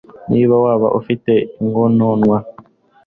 niba waba ufite ingononwa